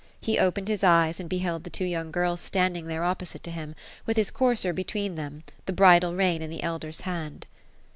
He opened his eyes, and beheld the two young girls standing there, opposite to him, with his courser between them, the bridle rein in the elder's hand.